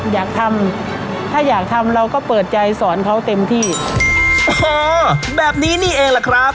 อยากทำถ้าอยากทำเราก็เปิดใจสอนเขาเต็มที่อ๋อแบบนี้นี่เองล่ะครับ